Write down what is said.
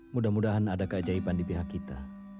mudah mudahan ada keajaiban di pihak kita